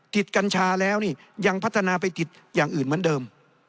กัญชาแล้วนี่ยังพัฒนาไปติดอย่างอื่นเหมือนเดิม